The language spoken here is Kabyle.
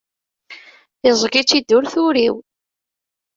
Iẓẓeg-itt-id ur turiw.